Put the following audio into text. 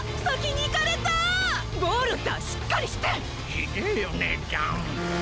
ひでえよねえちゃん。